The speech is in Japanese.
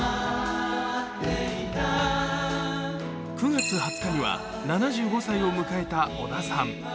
９月２０日には７５歳を迎えた小田さん。